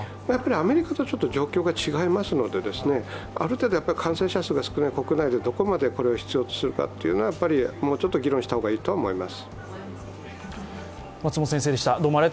アメリカとちょっと状況が違いますのである程度感染者数が少ない国内でどこまて必要とするかもうちょっと議論をした方がいいと思います。